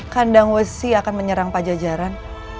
kandang wesi akan menyerang pak jajaran